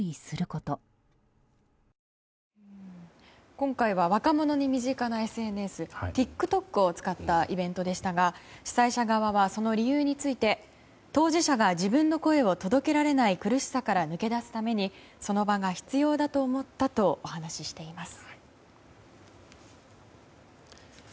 今回は若者に身近なＳＮＳＴｉｋＴｏｋを使ったイベントでしたが主催者側はその理由について当事者が自分の声を届けられない苦しさから抜け出すためにその場が必要だと思ったとお話しています。